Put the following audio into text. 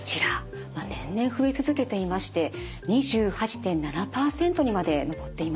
年々増え続けていまして２８．７％にまで上っています。